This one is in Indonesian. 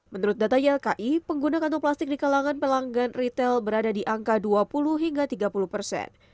menurut data ylki pengguna kantong plastik di kalangan pelanggan retail berada di angka dua puluh hingga tiga puluh persen